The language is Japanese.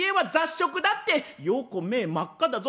「ようこ目真っ赤だぞ」。